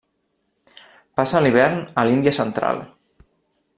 Passa l'hivern a l'Índia central.